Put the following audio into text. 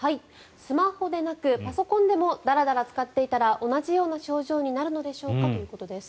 スマホでなくパソコンでもだらだら使っていたら同じような症状になるのでしょうかということです。